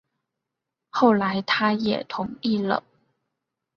后来他也同意了